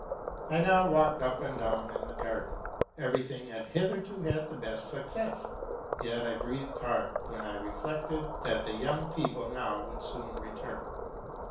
I now walked up and down in the garden: every thing had hitherto had the best success, yet I breathed hard when I reflected that the young peo ple now would soon return.